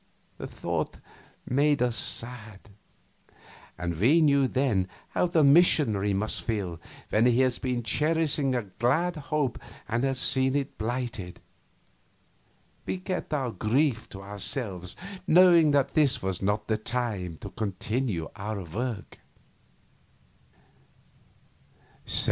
The thought made us sad, and we knew then how the missionary must feel when he has been cherishing a glad hope and has seen it blighted. We kept our grief to ourselves, knowing that this was not the time to continue our work.